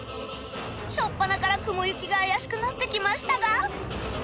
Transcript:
しょっぱなから雲行きが怪しくなってきましたが